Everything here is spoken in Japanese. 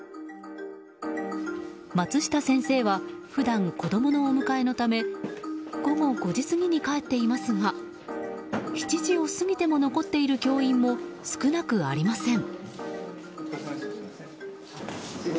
松下先生は普段子供のお迎えのため午後５時過ぎに帰っていますが７時を過ぎても残っている教員も少なくありません。